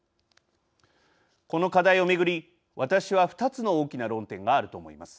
この課題を巡り、私は２つの大きな論点があると思います。